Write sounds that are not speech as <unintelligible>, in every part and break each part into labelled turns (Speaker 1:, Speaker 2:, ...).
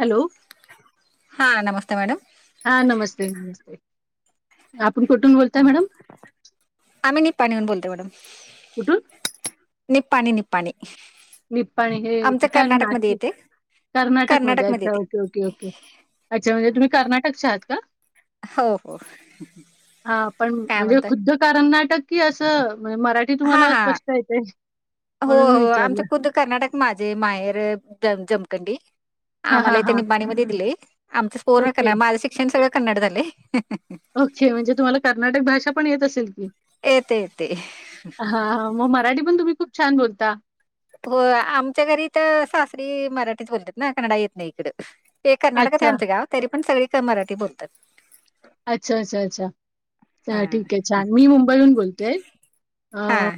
Speaker 1: Hello!
Speaker 2: हां नमस्ते madam.
Speaker 1: हा नमस्ते, नमस्ते आपण कुठून
Speaker 2: हा.
Speaker 1: बोलताय मॅडम?
Speaker 2: आम्ही निप्पाणी हुन बोलतो मॅडम,
Speaker 1: कुठून
Speaker 2: निप्पाणी निप्पाणी.
Speaker 1: निप्पाणी हे
Speaker 2: आमचं
Speaker 1: कुठे आलं,
Speaker 2: कर्नाटकमध्ये
Speaker 1: नाशिक
Speaker 2: येते
Speaker 1: कर्नाटक मध्ये
Speaker 2: कर्नाटकमध्ये
Speaker 1: अच्छा
Speaker 2: येते
Speaker 1: ओके ओके ओके. अच्छा... म्हणजे तुम्ही कर्नाटकच्या आहात का?
Speaker 2: हो हो
Speaker 1: हा.. पण
Speaker 2: काय
Speaker 1: म्हणजे
Speaker 2: म्हणताय
Speaker 1: खुद्द करनाटक कि असं म.. मराठी
Speaker 2: हा
Speaker 1: तुम्हाला
Speaker 2: हा
Speaker 1: स्पष्ट येते
Speaker 2: हो
Speaker 1: म्हणून मी
Speaker 2: हो आमचं
Speaker 1: विचारलं.
Speaker 2: खुद्द कर्नाटक माझं माहेर ज.. जमकंडी
Speaker 1: हा
Speaker 2: आम्हाला
Speaker 1: हा
Speaker 2: इथ
Speaker 1: हा
Speaker 2: निबाणीमध्ये दिलेय आमचं पुर्ण कन्ड
Speaker 1: ओके
Speaker 2: माझं शिक्षण सगळं कन्नड झालंय. ह्..
Speaker 1: ओ. के. म्हणजे तुम्हाला कर्नाटक भाषा पण येत असेल की?
Speaker 2: येते.. येते.. ह्...
Speaker 1: हा हा मग मराठी पण तुम्ही खूप छान बोलता.
Speaker 2: हो.. य आमच्या घरी इथ सासरी मराठीच बोलतात ना कन्डा येत नाही इकडं. ते कर्नाटकात आहे
Speaker 1: अच्छा
Speaker 2: आमचं गाव तरी पण सगळी क मराठी बोलतात.
Speaker 1: अच्छा.. अच्छा.. अच्छा.. हा... ठीक आहे छान, मी मुंबईहून बोलतेय.
Speaker 2: हा
Speaker 1: अ..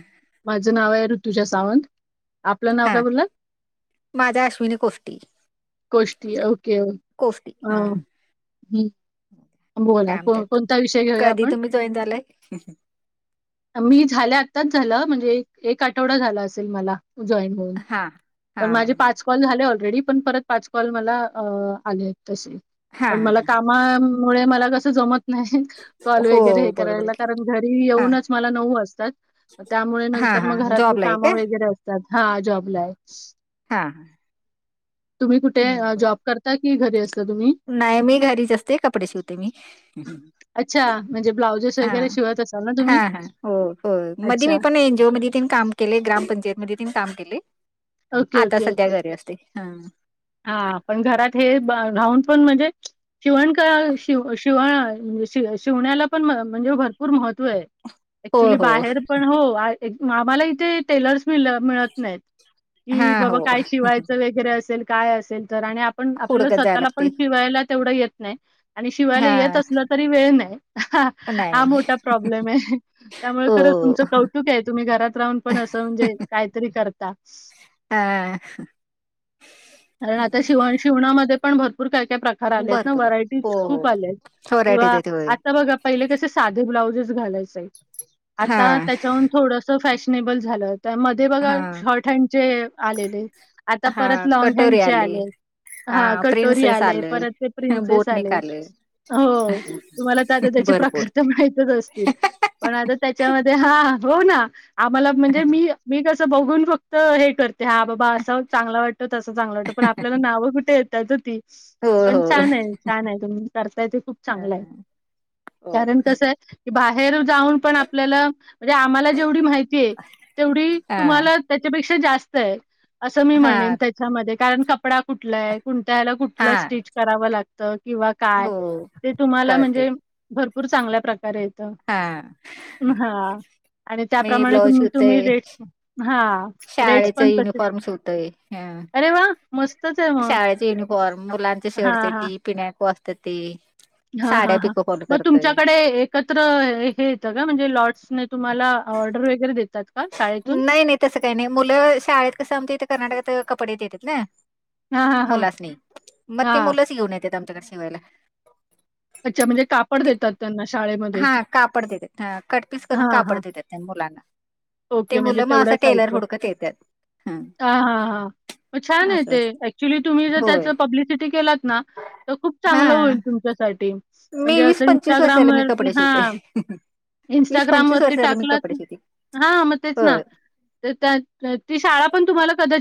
Speaker 1: माझं नाव आहे ऋतुजा सावंत. आपलं नाव
Speaker 2: हा
Speaker 1: काय बोलात
Speaker 2: माझा अश्विनी कोष्टी
Speaker 1: कोष्टी ओ. के. ओ.
Speaker 2: कोष्टी... हम्..
Speaker 1: बोला
Speaker 2: काय
Speaker 1: को
Speaker 2: म्हणतेत,
Speaker 1: कोणता विषय घेऊया
Speaker 2: कधी
Speaker 1: आपण?
Speaker 2: तुम्ही जॉईन झालंय?
Speaker 1: मी झाल्या आत्ताच झालं म्हणजे एक, एक आठवडा झाला असेल मला.. जॉईन ह्...
Speaker 2: हा हा
Speaker 1: पण माझे पाच कॉल झाले ऑलरेडी परत पाच कॉल मला अ.. आले तसे,
Speaker 2: हा
Speaker 1: पण
Speaker 2: हा
Speaker 1: मला कामा व्हय.. मला कसं जमत नाही.. कॉल
Speaker 2: हो
Speaker 1: वगैरे हे
Speaker 2: बरोबर
Speaker 1: करायला
Speaker 2: आहे.
Speaker 1: कारण घरी
Speaker 2: हा
Speaker 1: येऊनच मला नऊ वाजतात. त्यामुळे
Speaker 2: हा
Speaker 1: नंतर
Speaker 2: हा
Speaker 1: मग घरातली
Speaker 2: जॉबला आहे का?
Speaker 1: कामं वगैरे असतात, हा जॉबला आहे.
Speaker 2: हा.. आ..
Speaker 1: तुम्ही कुठे अ.. जॉब करता कि घरी असता तुम्ही?
Speaker 2: नाही.. मी घरीच असते कपडे शिवते मी.
Speaker 1: अच्छा, म्हणजे ब्लाउजेस
Speaker 2: हा..
Speaker 1: वगैरे शिवत असाल ना तुम्ही?
Speaker 2: हा.. हा.. हो. य. होय मधी
Speaker 1: अच्छा.
Speaker 2: मी पण ऐनजीओ मध्यी काम केले ग्रामपंचायत मध्ये काम केले,
Speaker 1: ओके,
Speaker 2: आता सध्या घरी असतेय. ह्...
Speaker 1: हा.. पण घरात हे ब.. राहून म्हणजे शिवण का.. शिव.. शिवाय शिव.. शि.. शिवण्याला पण म.. म्हणजे भरपूर महत्त्व है.
Speaker 2: हो
Speaker 1: ऐक्चुली
Speaker 2: हो
Speaker 1: बाहेर पण.. हो, एक आम्हाला इथे टेलर्स मि.. मिळत नाहीत.
Speaker 2: हा
Speaker 1: कि.. बाबा
Speaker 2: हो
Speaker 1: काय शिवायचं एक असेल काय असेल तर आणि आपण आपल्याला
Speaker 2: हुडकत जायला
Speaker 1: स्वतःला
Speaker 2: लागते
Speaker 1: पण शिवायला तेवढं येत नाही. आणि शिवायला
Speaker 2: हा
Speaker 1: येत असलं तरी वेळ नाही, ह्...
Speaker 2: नाही
Speaker 1: हा.. मोठा प्रॉब्लेम आहे. त्यामुळे
Speaker 2: हो
Speaker 1: खरं तुमचं कौतुक आहे तुम्ही घरात राहून पण असं म्हणजे काहीतरी करता.
Speaker 2: या... अ.. ह्..
Speaker 1: कारण आता शिवण शिवणामध्ये पण भरपूर काय काय प्रका खर आले ना..
Speaker 2: भरपूर
Speaker 1: व्हरायटीज
Speaker 2: हो हो
Speaker 1: खूप आलेत किंवा
Speaker 2: व्हरायटीज आहेत होय
Speaker 1: आता बगा पहिले कसे साधे ब्लाऊजज घालायचे,
Speaker 2: हा
Speaker 1: आता त्याच्याहून थोडस फॅशनेबल झालं, मध्ये बघा
Speaker 2: हा
Speaker 1: शॉर्ट हॅन्डचे आलेले आता
Speaker 2: हा
Speaker 1: परत
Speaker 2: कटोरी
Speaker 1: ह्यांचे आले, हा.. कटोरी
Speaker 2: प्रिन्सेस
Speaker 1: आले,
Speaker 2: आलं.
Speaker 1: परत ते प्रिन्सेस आले.
Speaker 2: बोटनिक आलं
Speaker 1: हो.. तुम्हाला आता त्याचे प्रकार
Speaker 2: भरपूर
Speaker 1: तर माहतच असतील. पण आता त्याच्यामध्ये हा.. हो.. ना.. आम्हाला म्हणजे मी.. मी कस बघून फक्त हे करते हा बाबा असं चांगला वाटतं तसं चांगलं वाटतं पण आपल्याला नावं कुठे होती
Speaker 2: हो
Speaker 1: पण
Speaker 2: हो
Speaker 1: छान आहे, छान आहे तुम्ही करताय ते खूप चांगलं आहे.
Speaker 2: हो
Speaker 1: कारण कसं आहे, की बाहेर जाऊन पण आपल्याला म्हणजे आम्हाला जेवढी माहिती हाय तेवढी
Speaker 2: हा
Speaker 1: तुम्हाला त्याच्यापेक्षा जास्त आहे. असं मी
Speaker 2: हा
Speaker 1: म्हणेन, त्याच्यामध्ये कारण कपडा कुठला आहे कुणत्याला
Speaker 2: हा
Speaker 1: कुठलं स्टीच. कराव लागत किंवा काय,
Speaker 2: हो
Speaker 1: ते तुम्हाला
Speaker 2: कळते
Speaker 1: म्हणजे भरपूर चांगल्या प्रकारे.
Speaker 2: हा
Speaker 1: आणि हा,
Speaker 2: मी
Speaker 1: त्याप्रमाणे
Speaker 2: ब्लाऊज
Speaker 1: तुम्ही
Speaker 2: शिवते
Speaker 1: तुम्ही रेट्स. हा. रेट्स
Speaker 2: शाळेच
Speaker 1: पण तसेच
Speaker 2: युनिफॉर्मस शिवते, हा.
Speaker 1: अरे वा मस्तच आहे मग
Speaker 2: शाळेचे युनिफॉर्म, मुलांचे
Speaker 1: हा
Speaker 2: शर्ट चड्डी, पिनाको असत ते.
Speaker 1: हा हा
Speaker 2: साड्या
Speaker 1: हा
Speaker 2: पिको फॉल
Speaker 1: मग
Speaker 2: करतोय
Speaker 1: तुमच्याकडे एक. एकत्र हे येतं का म्हणजे, लॉर्ड्स न तुम्हाला ऑर्डर वगैरे देतात का? शाळेतून.
Speaker 2: तस काही नाही मुलं, शाळेत कसं आमचं इथे कर्नाटकात कपडे देतात ना.
Speaker 1: हां, हां, हां.
Speaker 2: मुला सनी, नाही मग ते
Speaker 1: हां.
Speaker 2: मुलंच घेऊन येतेत आमच्याकडे शिवायला.
Speaker 1: अच्छा म्हणजे कापड
Speaker 2: ते
Speaker 1: देतात त्यांना शाळेमध्ये.
Speaker 2: हा कापड देतेत, ह कट पीस करून
Speaker 1: हां,
Speaker 2: कापड
Speaker 1: हां.
Speaker 2: देतेत मुलांना. ते
Speaker 1: ओके म्हणजे
Speaker 2: मुलं मग असं
Speaker 1: तेवढंच
Speaker 2: टेलर
Speaker 1: साईज ह
Speaker 2: हुडकत येतात
Speaker 1: हा हां. मग छान आहे
Speaker 2: असं
Speaker 1: ते,
Speaker 2: असतं
Speaker 1: ऍक्च्युली तुम्ही जर त्याच
Speaker 2: होय
Speaker 1: पब्लिसिटी केलात ना. तर खूप
Speaker 2: हा
Speaker 1: चांगलं होईल, तुमच्यासाठी.
Speaker 2: मी
Speaker 1: म्हणजे
Speaker 2: वीस
Speaker 1: असं
Speaker 2: पंचवीस
Speaker 1: इंस्टाग्राम
Speaker 2: वर्षाला मी
Speaker 1: वरती
Speaker 2: कपडे
Speaker 1: हा.
Speaker 2: शिवते वीस पंचवीस
Speaker 1: इंस्टाग्रामवरती
Speaker 2: वर्षाला मी
Speaker 1: टाकला?
Speaker 2: कपडे शिवते
Speaker 1: हा मग तेच
Speaker 2: होय
Speaker 1: ना. <unintelligible> ती शाळा पण तुम्हाला कदाचित.